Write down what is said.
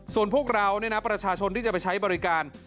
ส่วนพวกเราประชาชนที่จะไปใช้บริการ